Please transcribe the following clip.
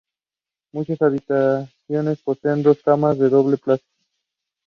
The walls of the main room are engraved with lions and other artwork.